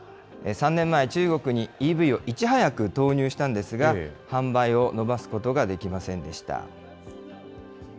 ３年前、中国にＥＶをいち早く投入したんですが、販売を伸ばすことができませんでした。